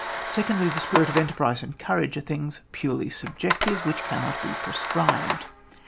Secondly, the spirit of enterprise and courage are things purely subjective, which cannot be prescribed.